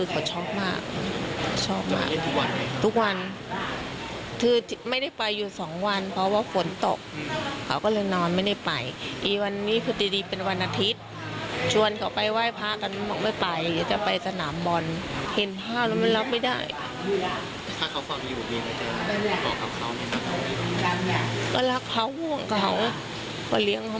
เพราะก็เข้าว่าเขาเป็นผู้รักษาภูมิของเขาก็เลี้ยงเข้ามาตั้งกับเล็ก